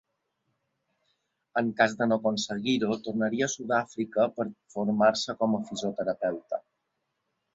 En cas de no aconseguir-ho tornaria a Sud-àfrica per formar-se com a fisioterapeuta.